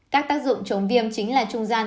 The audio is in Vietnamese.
các tác dụng chống viêm chính là trung gian